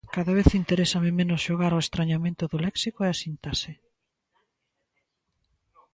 Cada vez interésame menos xogar ao estrañamento do léxico e a sintaxe.